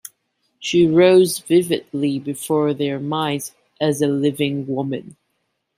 She rose vividly before their minds as a living woman.